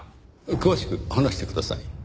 詳しく話してください。